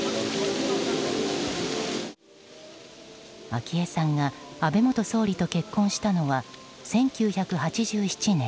昭恵さんが安倍元総理と結婚したのは１９８７年。